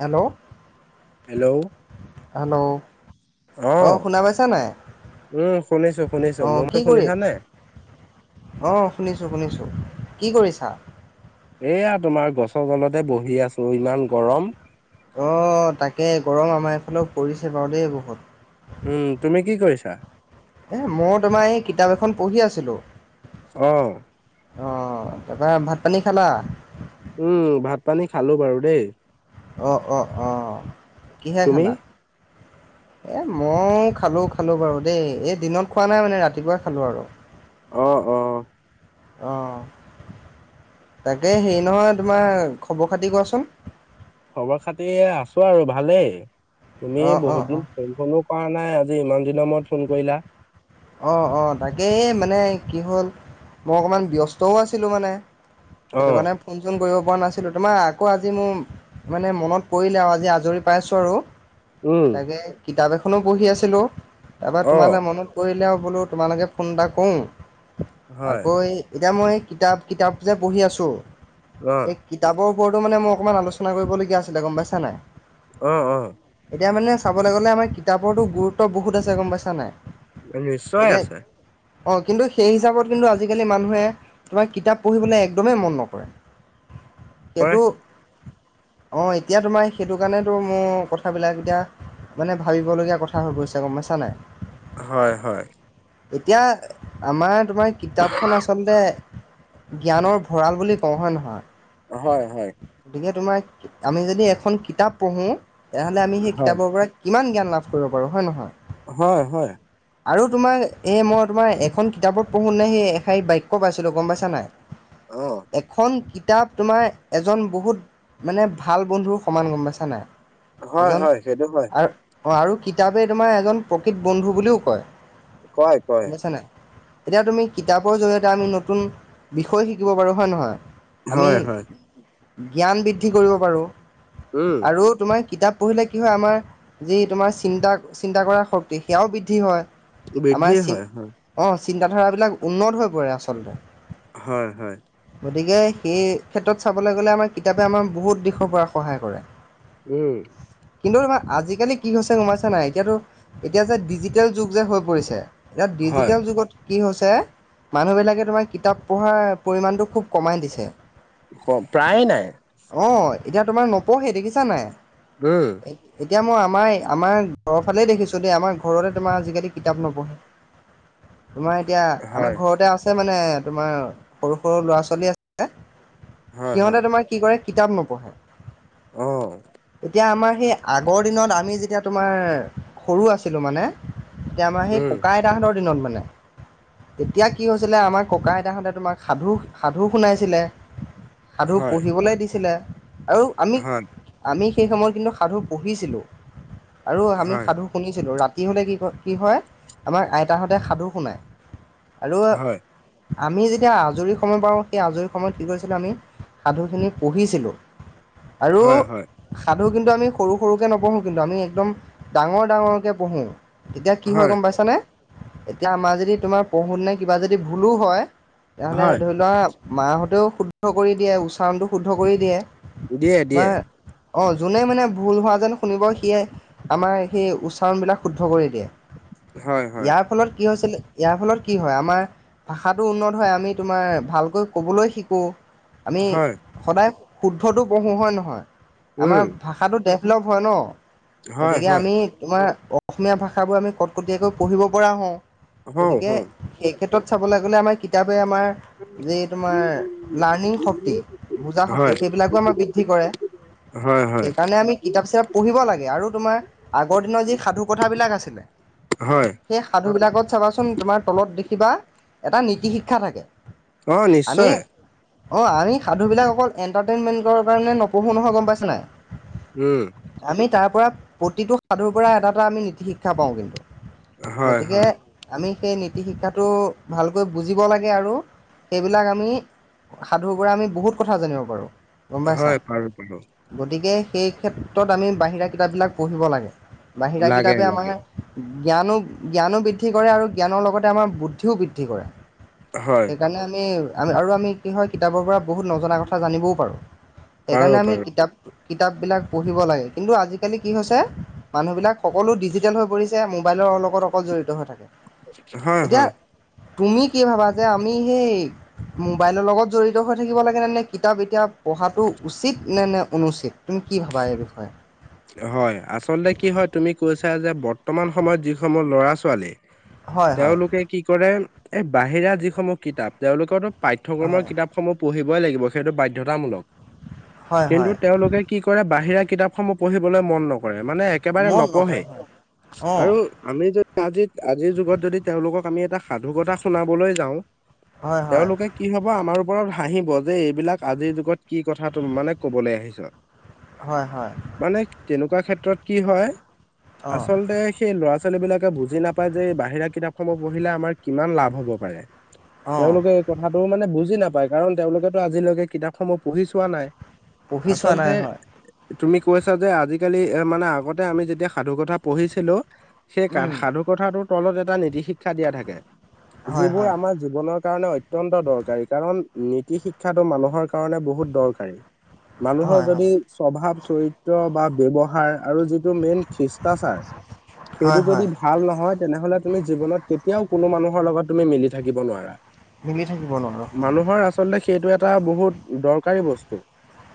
Hello hello hello অ অঁ শুনা পাইছা নাই উম শুনিছো শুনিছো অঁ মোৰ মাতো কি কৰি শুনিছা নে? অ শুনিছো শুনিছো কি কৰিছা এয়া তোমাৰ গছৰ তলতে বহি আছো ইমান গৰম অঁ তাকে গৰম আমাৰ এইফালেও পৰিছে বাৰু দেই বহুত উম তুমি কি কৰিছা এ মই তোমাৰ এই কিতাপ এখন পঢ়ি আছিলোঁ অ অ তাৰ পা ভাত পানী খালা উম ভাত পানী খালো বাৰু দেই অ অ অ কিহে তুমি? খালা এই মই খালোঁ খালোঁ বাৰু দেই এই দিনত খোৱা নাই মানে ৰাতিপুৱাই খালোঁ আৰু অ অ অঁ তাকে হেৰি নহয় তোমাৰ খবৰ খাতি কোৱাচোন খবৰ খাতি আছো আৰু ভালেই তুমি অঁ অঁ বহুত অঁ দিন ফোন চনো কৰা নাই আজি ইমান দিনৰ মূৰত ফোন কৰিলা অঁ অঁ তাকে এই মানে কি হ'ল মই অকণমান ব্যস্তও আছিলোঁ মানে সেইটো অঁ কাৰণে ফোন চোন কৰিব পৰা নাছিলো তোমাৰ আকৌ আজি মোৰ মানে মনত পৰিলে আৰু আজি আজৰি পাইছো আৰু উম তাকে কিতাপ এখনো পঢ়ি আছিলো তাপা অঁ তোমালে মনত পৰিলে আৰু বোলো তোমালৈকে ফোন এটা কৰোঁ হয় আকৌ এই এতিয়া মই কিতাপ কিতাপ যে পঢ়ি আছোঁ অ এই কিতাপৰ ওপৰতো মানে মই অকণমান আলোচনা কৰিবলগীয়া আছিলে গম পাইছা নাই অ অ এতিয়া মানে চাবলৈ গ'লে আমাৰ কিতাপৰতো গুৰুত্ব বহুত আছে গম পাইছা নাই নিশ্চয় এতিয়া আছে অ কিন্তু সেই হিচাপত কিন্তু আজিকালি মানুহে তোমাৰ কিতাপ পঢ়িবলৈ একদমেই মন নকৰে হয় সেইটো অঁ এতিয়া তোমাৰ সেইটো কাৰণেতো মোৰ কথাবিলাক এতিয়া মানে ভাবিবলগীয়া কথা হৈ গৈছে গম পাইছা নাই হয় হয় এতিয়া আমাৰ তোমাৰ কিতাপখন আচলতে জ্ঞানৰ ভঁৰাল বুলি কওঁ হয় নহয় হয় হয় গতিকে তোমাৰ আমি যদি এখন কিতাপ পঢ়োঁ তেতিয়াহ'লে আমি সেই হয় কিতাপৰ পাই কিমান জ্ঞান লাভ কৰিব পাৰোঁ হয় নহয় হয় হয় আৰু তোমাৰ এই মই তোমাৰ এখন কিতাপত পঢ়োঁতেনে সেই এষাৰি বাক্য পাইছিলোঁ গম পাইছা নাই [unintelligible] অ। এখন কিতাপ তোমাৰ এজন বহুত মানে ভাল বন্ধুৰ সমান গম পাইছা নাই। হয় এজন হয় সেইটো হয় আৰু অ আৰু কিতাপে তোমাৰ এজন প্ৰকৃত বন্ধু বুলিও কয়। কয় গম কয়। পাইছা নাই এতিয়া তুমি কিতাপৰ জৰিয়তে আমি নতুন বিষয় শিকিব পাৰোঁ হয় নহয়? আমি হয় হয় জ্ঞান বৃদ্ধি কৰিব পাৰোঁ উম আৰু তোমাৰ কিতাপ - পঢ়িলে কি হয় আমাৰ যি তোমাৰ চিন্তা চিন্তা কৰাৰ শক্তি সেয়াও বৃদ্ধি হয়। আমাৰ বৃদ্ধিয়ে চি হয় হয় অঁ চিন্তাধাৰাবিলাক উন্নত হৈ পৰে আচলতে। হয় হয়। গতিকে সেই ক্ষেত্ৰত চাবলে গ'লে আমাৰ কিতাপে আমাৰ বহুত দিশৰ পৰা সহায় কৰে। উম। কিন্তু তোমাৰ আজিকালি কি হৈছে গম পাইছা নাই এতিয়াতো এতিয়া যে ডিজি- টেল যুগ যে হৈ পৰিছে এতিয়া হয় ডিজিটেল যুগত কি হৈছে মানুহবিলাকে তোমাৰ কিতাপ পঢ়াৰ পৰিমাণটো খুব কমাই দিছে। অ প্ৰায়ে নাই অঁ এতিয়া তোমাৰ নপঢ়ে দেখিছা নাই। উম। এতিয়া মই আমাৰ আমাৰ ঘৰৰ ফালে দেখিছো দেই আমাৰ ঘৰতে তোমাৰ - আজিকালি কিতাপ নপঢ়ে, তোমাৰ এতিয়া হয় আমাৰ ঘৰতে আছ- ছে মানে তোমাৰ সৰু সৰু ল'ৰা ছোৱালী আছে, হয় সিহঁতে হয় তোমাৰ কি কৰে কিতাপ নপঢ়ে, অ এতিয়া আমাৰ সেই আগৰ দিনত আমি যেতিয়া তোমাৰ সৰু আছিলোঁ মানে - এতিয়া আমাৰ সেই উম ককা আইতাহঁতৰ দিনত মানে, তেতিয়া কি হৈছিলে আমাক ককা আইতাহঁতে তোমাক সাধু সাধু শুনাইছিলে সাধু হয় পঢ়িবলে দিছিলে আৰু আমি হয় আমি সেই সময়ত কিন্তু সাধু পঢ়িছিলোঁ আৰু আমি হয় সাধু শুনিছিলোঁ ৰা- তি হ'লে কি কয় কি হয় আমাৰ আইতাহঁতে সাধু শুনায় আৰু হয় আমি যেতিয়া আজৰি সময় পাৰো সেই আজৰি সময়ত কি কৰিছিলো আমি - সাধুখিনি পঢ়িছিলোঁ। আৰু হয় হয় সাধু কিন্তু আমি সৰু সৰুকে নপঢ়ো কিন্তু আমি একদম - ডাঙৰ ডাঙৰকে পঢ়ো তেতিয়া কি হয় গম পাইছানে? এতিয়া আমাৰ যদি তোমাৰ পঢ়োতেনে কিবা যদি ভুলো হয় তেনেহ'লে হয় ধৰি লোৱা মাহঁতেও শুদ্ধ কৰি দিয়ে উচ্চাৰণটো শুদ্ধ কৰি দিয়ে, দিয়ে দিয়ে তোমাৰ অ, যোনে মানে ভুল হোৱা যেন শুনিব সিয়ে আমাৰ সেই উচ্চাৰণবিলাক শুদ্ধ কৰি দিয়ে, হয় হয় ইয়াৰ ফলত কি হৈছিল ইয়াৰ ফলত কি হয়, আমাৰ ভাষাটো উন্নত হয় আমি তোমাৰ ভালকৈ ক'বলৈ শিকোঁ। আমি হয় সদায় শুদ্ধটো পঢ়োঁ হয় নহয়, আমাৰ উম ভা- ষাটো ডেভলপ হয় ন, হয় গতিকে হয় আমি তোমাৰ অ অসমীয়া ভাষাবোৰ আমি কটকটীয়াকৈ পঢ়িব পৰা হওঁ, হওঁ গতিকে হওঁ এই ক্ষেত্ৰত চাবলে গ'লে আমাৰ কিতাপে আমাৰ যে তোমাৰ লাৰ্ণিং শক্তি বুজা হয় শক্তি সেইবিলাকো আমাৰ বৃদ্ধি কৰে। হয় হয় সেইকাৰণে আমি কিতাপ চিতাপ পঢ়িব লাগে আৰু তোমাৰ আগৰ দিনৰ যি সাধু - কথা বিলাক আছিলে হয় সেই সাধু বিলাকত চাবাচোন তোমাৰ তলত দেখিবা এটা নীতি শিক্ষা থাকে। অ আমি নিশ্চয় - অ আমি সাধুবিলাক অকল এণ্টাৰটেইনমেণ্টৰ কাৰণে নপঢ়োঁ নহয় গম পাইছা নাই উম আমি তাৰ পৰা প্ৰতিটো সাধুৰ পৰা এটা এটা আমি নীতি শিক্ষা পাওঁ কিন্তু হয় গতিকে হয় আমি সেই নীতি শিক্ষাটো ভালকৈ বুজিব লাগে আৰু সেইবিলাক আমি সাধুৰ পৰা আমি বহুত কথা জানিব পাৰো হয় পাৰো পাৰো গতিকে সেই ক্ষেত্ৰত আমি বাহিৰা কিতাপবিলাক পঢ়িব লাগে বাহিৰা লাগে কিতাপে আমাৰ লাগে জ্ঞানো জ্ঞানো বৃদ্ধি কৰে আৰু জ্ঞানৰ লগতে আমাৰ বুদ্ধিও বৃদ্ধি কৰে হয় সেইকাৰণে আমি আমি আৰু আমি কি হয় কিতাপৰ পৰা বহুত নজনা কথা জানিবও পাৰোঁ পাৰো সেইকাৰণে আমি পাৰো কিতাপ কিতাপ বিলাক পঢ়িব লাগে কিন্তু আজিকালি কি হৈছে মানুহবিলাক সকলো ডিজিটেল হৈ পৰিছে মোবাইলৰ লগত অকল জড়িত হৈ থাকে হয় এতিয়া হয় তুমি কি ভাবা যে আমি সেই মোবাইলৰ লগত জড়িত হৈ থাকিব লাগে নে নে কিতাপ এতিয়া পঢ়াটো উচিত নে নে অনুচিত তুমি কি ভাবা এই বিষয়ে হয় আচলতে কি হয় তুমি কৈছা যে বৰ্তমান সময়ত যিসমূহ ল'ৰা ছোৱালী হয় হয় তেওঁলোকে কি কৰে এই বাহিৰা যিসমূহ কিতাপ তেওঁলোক পাঠ্যক্ৰমৰ হয় কিতাপসমূহ পঢ়িবই লাগিব সেইটো বাধ্যতামূলক হয় কিন্তু হয় তেওঁলোকে কি কৰে বাহিৰা কিতাপসমূহ পঢ়িবলৈ মন নকৰে মানে একেবাৰে মন নপঢ়ে নকৰে হয় অঁ আৰু আমি যদি আজি আজিৰ যুগত যদি তেওঁলোকক আমি এটা সাধু কথা শুনাবলৈ যাওঁ হয় হয় তেওঁলোকে কি হব আমাৰ ওপৰত হাঁহিব যে এইবিলাক আজিৰ যুগত কি কথা তুমি মানে কবলৈ আহিছা হয় হয় মানে তেনেকুৱা ক্ষেত্ৰত কি হয় অঁ আচলতে সেই ল'ৰা ছোৱালী বিলাকে বুজি নাপায় যে এই বাহিৰা কিতাপ সমূহ পঢ়িলে আমাৰ কিমান লাভ হ'ব পাৰে অঁ তেওঁলোকে এই কথাটো মানে বুজি নাপায় কাৰণ তেওঁলোকেতো আজিলৈকে কিতাপসমূহ পঢ়ি চোৱা নাই পঢ়ি চোৱা নাই আচলতে হয় তুমি কৈছা যে আজিকালি এ মানে আগতে আমি যেতিয়া সাধু কথা পঢ়িছিলো সেই উম সাধু কথাটোৰ তলত এটা নীতি শিক্ষা দিয়া থাকে হয় যিবোৰ হয় আমাৰ জীৱনৰ কাৰণে অত্যন্ত দৰকাৰী কাৰণ নীতি শিক্ষাটো মানুহৰ কাৰণে বহুত দৰকাৰী মানুহৰ হয় যদি হয় স্বভাৱ চৰিত্ৰ বা ব্যৱহাৰ আৰু যিটো মেইন হিচ হিস্তাচাৰ সেইটো হয় যদি হয় ভাল নহয় তেনেহলে তুমি জীৱনত কেতিয়াও কোনো মানুহৰ লগত তুমি মিলি থাকিব নোৱাৰা মিলি থাকিব নোৱাৰা মানুহৰ আচলতে সেইটো এটা বহুত দৰকাৰী বস্তু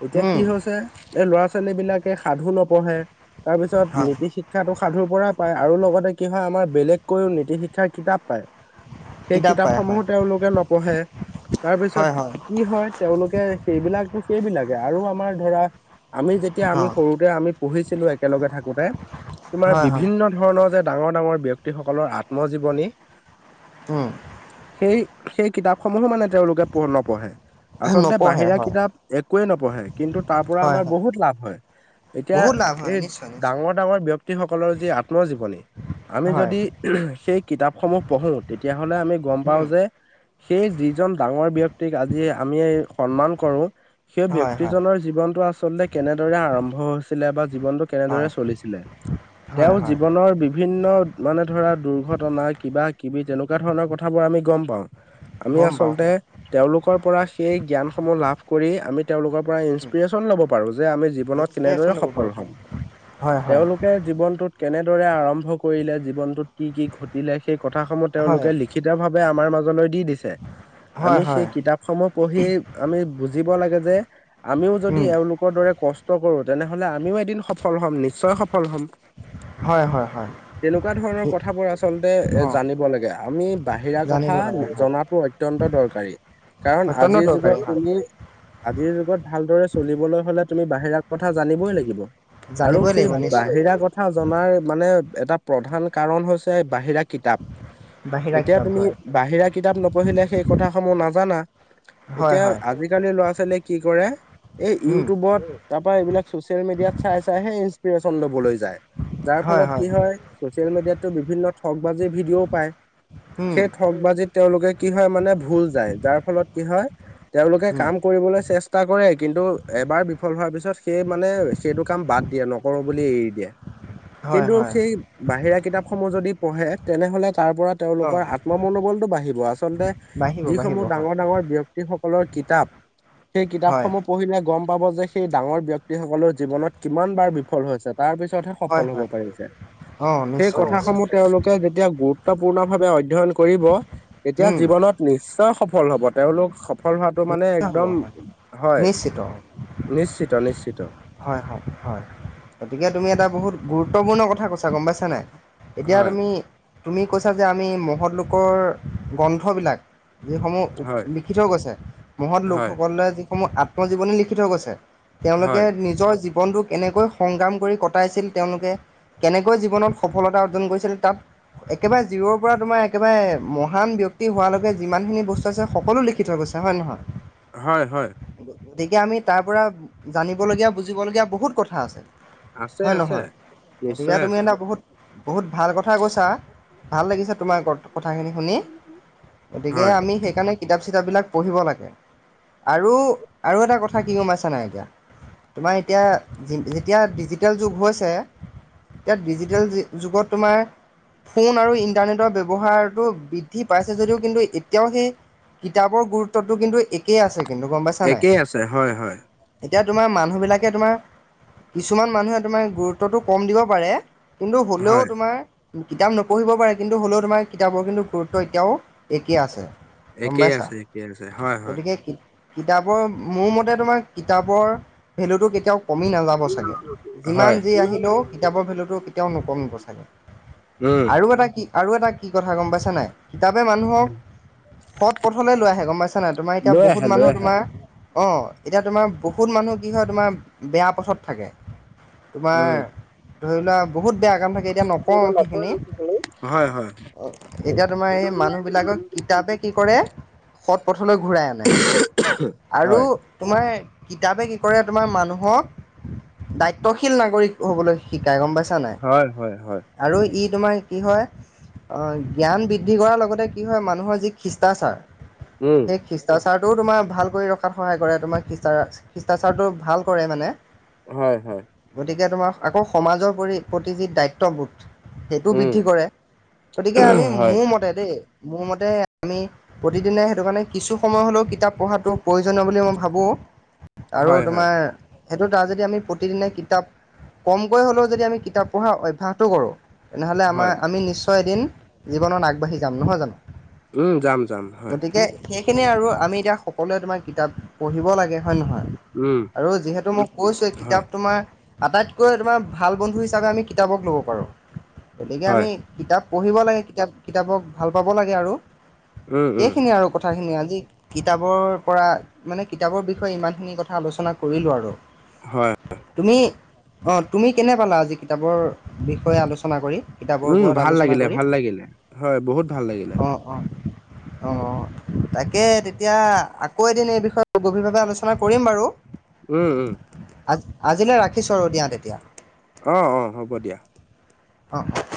এতিয়া উম কি হৈছে এই ল'ৰা ছোৱালী বিলাক এই সাধু নপঢ়ে তাৰপিছত হয় নীতি শিক্ষা শিক্ষাটো সাধুৰ পৰা পায় আৰু লগতে কি হয় আমাৰ বেলেগকৈও নীতি শিক্ষাৰ কিতাপ পায় সেই কিতাপ পায় সমূহো হয় তেওঁলোকে নপঢ়ে তাৰপিছত হয় হয় কি হয় তেওঁলোকে সেইবিলাটো সেইবিলাকে আৰু আমাৰ ধৰা আমি যেতিয়া আমি অঁ সৰুতে আমি পঢ়িছিলো একেলগে থাকোতে তোমাৰ হয় হয় বিভিন্ন তেনেধৰণৰ যে ডাঙৰ ডাঙৰ ব্যক্তিসকলৰ আত্মজীৱনী অহ সেই সেই কিতাপ সমূহো মানে তেওঁলোকে পঢ় নপঢ়ে আচলতে নপঢ়ে বাহিৰা হয় কিতাপ একোৱে নপঢ়ে কিন্তু তাৰ পৰা হয় আমাৰ হয় বহুত লাভ হয়। এতিয়া বহুত লাভ হয় এই নিশ্চয় নিশ্চয় ডাঙৰ ডাঙৰ ব্যক্তিসকলৰ যি আত্মজীৱনী, আমি হয় যদি সেই কিতাপসমূহ পঢ়ো তেতিয়াহ'লে আমি গম পাওঁ উম, যে সেই যিজন ডাঙৰ ব্যক্তিক আজি আমি সন্মান কৰো সেই হয়, হয়, ব্যক্তিজনৰ জীৱনটো আচলতে কেনেদৰে আৰম্ভ হৈছিলে বা জীৱনটো হয়, কেনেদৰে চলিছিলে। হয়, তেওঁ হয়, জীৱনৰ বিভিন্ন মানে ধৰা দুৰ্ঘটনা কিবা কিবি তেনেকুৱা ধৰণৰ কথাবোৰ আমি গম পাওঁ। আমি গম পাওঁ আচলতে হয়। তেওঁলোকৰ পৰা সেই জ্ঞান সমূহ লাভ কৰি আমি তেওঁলোকৰ পৰা উম, ইন্সপিৰিয়োচন ল'ব পাৰো যে আমি জীৱনত ইনস্পিৰেশ্যন কেনেদৰে ল'ব সফল পাৰোঁ হম। হয়, হয়, হয়, জীৱনটোত কেনেদৰে আৰম্ভ কৰিলে জীৱনটোত কি কি ঘটিলে সেই কথাসমূহ হয়, তেওঁলোকে লিখি ক্ষিতভাৱে আমাৰ মাজলৈ দি দিছে। হয়, আমি হয়, সেই কিতাপসমূহ পঢ়ি আমি বুজিব লাগে যে আমিও যদি উম, এওঁলোকৰ দৰে কষ্ট কৰো তেনেহ'লে আমিও এদিন সফল হ'ম নিশ্চয় সফল হ'ম। হয় হয় হয়। তেনেকুৱা ধৰণৰ কথাবোৰ আচলতে এ অ', জানিব লাগে। আমি বাহিৰা জানিব কথা লাগে হয়, জনাতো অত্যন্ত দৰকাৰী কাৰণ অত্যন্ত আজিৰ দৰকাৰী যুগত হয়, তুমি আজিৰ যুগত ভালদৰে চলিবলৈ হ'লে তুমি বাহিৰা কথা জানিবই লাগিব। আৰু জানিবই লাগিব সেই নিশ্চয়। বাহিৰা কথা জনাৰ মানে এটা প্ৰধান কাৰণ হৈছে বাহিৰা কিতাপ। বাহিৰা এতিয়া কিতাপ তুমি হয়, বাহিৰা কিতাপ নপঢ়িলে সেই কথা সমূহ নাজানা। হয়, এতিয়া হয়, আজি আজিকালি ল'ৰা ছোৱালীয়ে কি কৰে এই উম, ইউটিউবত তাৰ পৰা এইবিলাক চচিয়েল মিডিয়াত চাই চাইহে ইনসপিৰেশচন ল'বলৈ যায়। যাৰ ফলত কি হয় চ'চিয়েল মিডিয়াততো বিভিন্ন ঠগ বাজি ভিডিঅ'ও পায়। উম, সেই ঠগ বাজিত তেওঁলোকে কি হয় মানে ভুল যায়। যাৰ ফলত কি হয় তেওঁলোকে উম, কাম কৰিবলৈ চেষ্টা কৰে কিন্তু এবাৰ বিফল হোৱাৰ পিছত সেই মানে সেইটো কাম বাদ দিয়ে নকৰো বুলি এৰি দিয়ে। হয়, কিন্তু হয়, সেই বাহিৰা কিতাপসমূহ যদি পঢ়ে তেনে হ'লে তাৰ পৰা অ', তেওঁলোকৰ আত্ম মনোবলটো বাঢ়িব। আচলতে বাঢ়িব, বাঢ়িব যিসমূহ হয়, ডাঙৰ ডাঙৰ ব্যক্তি সকলৰ কিতাপ সেই কিতাপ হয়, সমূহ পঢ়িলে গম পাব যে সেই ডাঙৰ ব্যক্তিসকলৰ জীৱনত কিমান বাৰ বিফল হৈছে তাৰ পিছতহে হয়, সফল হ'ব হয়, পাৰিছে। অ', সেই নিশ্চয়, কথা নিশ্চয়, সমূহ তেওঁলো কে যেতিয়া গুৰুত্বপূৰ্ণ ভাৱে অধ্যয়ন কৰিব তেতিয়া উম, জীৱনত নিশ্চয় সফল হ'ব। তেওঁলোক সফল হোৱাটো মানে হ'ব একদম, হয়, হয়। [unintelligible] নিশ্চিত, নিশ্চিত। হয় হয় হয়। গতিকে তুমি এটা বহুত গুৰুত্বপূৰ্ণ কথা কৈছা, গম পাইছা নাই। এতিয়া হয় তুমি, তুমি কৈছা যে আমি মহৎ লোকৰ গ্ৰন্থবিলাক যিসমূহ হয় লিখি থৈ গৈছে। মহৎ হয় লোকসকলে যিসমূহ আত্মজীৱনী লিখি থৈ গৈছে তেওঁলোকে হয় নিজৰ জীৱনটো কেনেকৈ সংগ্ৰাম কৰি কটাইছিল তেওঁলোকে কেনেকৈ জীৱনত সফলতা অৰ্জন কৰিছিল তাত একেবাৰে জিও পৰা তোমাৰ একেবাৰে মহান ব্যক্তি হোৱালৈকে যিমান খিনি বস্তু আছে সকলো লিখি থৈ গৈছে। হয় নহয়? হয় হয়। গতিকে আমি তাৰ পৰা জানিবলগীয়া বুজিবলগীয়া বহুত কথা আছে। আছে হয় আছে নহয়, গতিকে নিশ্চয় তুমি আছে এটা বহুত বহুত ভাল কথা কথা কৈছা ভাল লাগিছে তোমাৰ কথাখিনি শুনি গতিকে হয় আমি সেইকাৰণে কিতাপ চিতাপবিলাক পঢ়িব লাগে আৰু আৰু এটা কথা কি গমাইছে নাই এতিয়া তোমাৰ এতিয়া যেতিয়া ডিজিটেল যুগ হৈছে ইয়াত ডিজিটেল জি যুগত তোমাৰ ফোন আৰু ইণ্টাৰনেটৰ ব্যৱহাৰটো বৃদ্ধি পাইছে যদিও কিন্তু এতিয়াও সেই কিতাপৰ গুৰুত্বটো কিন্তু একেই আছে কিন্তু গম পাইছা নাই একেই আছে হয় হয় এতিয়া তোমাৰ মানুহবিলাকে তোমাৰ কিছুমান মানুহে তোমাৰ গুৰুত্বটো কম দিব পাৰে কিন্তু হ'লেও হয় তোমাৰ কিতাপ নপঢ়িব পাৰে কিন্তু হ'লেও তোমাৰ কিতাপৰ কিন্তু গুৰুত্ব এতিয়াও একেই আছে গম একেই পাইছা আছে একে আছে হয় হয় গতিকে কিতাপৰ মোৰ মতে তোমাৰ কিতাপৰ ভেলুটো কেতিয়াও কমি নাযাব চাগে যিমান হয় যি আহিলেও কিতাপৰ ভেলুটো কেতিয়াও নকমিব চাগে। উম আৰু এটা কি আৰু এটা কি কথা গ'ম পাইছা নাই কিতাপে মানুহক সৎ পথলৈ লৈ আহে গম পাইছা নাই তুমাৰ এতিয়া লৈ আহে বহুত লৈ মানুহ আহে তুমাৰ অ, এতিয়া তোমাৰ বহুত মানুহ কি হয় তোমাৰ বেয়া পথত থাকে, তোমাৰ উম ধৰি লোৱা বহুত বেয়া কাম থাকে এতিয়া নকওঁ সেইখিনি। হয় হয় এতিয়া তোমাৰ এই মানুহ বিলাকক কিতাপে কি কৰে সৎ পথত পথললৈ ঘূৰাই আনে আৰু হয় তোমাৰ কিতাপে কি কৰে তোমাৰ মানুহক দায়িত্বশীল নাগৰিক হবলৈ শিকায় গম পাইছা নাই হয়, হয়, হয়। আৰু ই তোমাৰ কি হয় অ, জ্ঞান বৃদ্ধি কৰাৰ লগতে কি হয় মানুহৰ যি শিষ্টাচাৰ, উম। খ্ৰীষ্টাচাৰটোও তোমাৰ ভাল কৰি ৰখাত সহায় কৰে, তোমাৰ খিষ্টাৰ খ্ৰীষ্টাচাৰটো ভাল কৰে মানে। হয়, হয়। গতিকে তোমাৰ আকৌ সমাজৰ পৰি প্ৰতি যি দায়িত্ববোধ, সেইটো উম বৃদ্ধি কৰে গতিকে আমি হয় মোৰ মতে দেই, মোৰ মতে আমি প্ৰতিদিনে সেইটো কাৰণে কিছু সময় হ'লেও কিতাপ পঢ়াটো প্ৰয়োজনীয় বুলি মই ভাবোঁ আৰু হয় হয় তোমাৰ সেইটো তাৰ যদি আমি প্ৰতিদিনে কিতাপ, কমকৈ হ'লেও যদি আমি কিতাপ পঢ়াৰ অভ্যাসটো কৰোঁ তেনেহ'লে হয় আমাৰ আমি নিশ্চয় এদিন জীৱনত আগবাঢ়ি যাম নহয় জানো? উম, যাম যাম হয়। গতিকে সেইখিনিয়ে আৰু আমি এতিয়া সকলোৱে তোমাৰ কিতাপ পঢ়িব লাগে হয় নে নহয়? উম। আৰু যিহেতু মই কৈছোঁএ হয় কিতাপ তোমাৰ আটাইতকৈ তোমাৰ ভাল বন্ধু হিচাপে আমি কিতাপক ল'ব পাৰোঁ। গতিকে হয় আমি কিতাপ পঢ়িব লাগে কিতাপ কিতাপক ভাল পাব লাগে আৰু উম উম সেইখিনিএ আৰু। কথাখিনি আজি কিতাপৰ পৰা মানে কিতাপৰ বিষয়ে ইমানখিনি কথা আলোচনা কৰিলোঁ আৰু। হয় তুমি অ, তুমি কেনে পালা আজি কিতাপৰ বিষয়ে আলোচনা কৰি? কিতাপৰ উম, ওপৰত ভাল আলোচনা লাগিলে কৰি ভাল লাগিলে হয় বহুত ভাল লাগিলে। অ, অ, অ। তাকে তেতিয়া আকৌ এদিন এই বিষয়ে গভীৰভাৱে আলোচনা কৰিম বাৰু। উম, উম। আজ আজিলে ৰাখিছোঁ আৰু দিয়া তেতিয়া। অ', অ', হ'ব দিয়া। অ', অ'।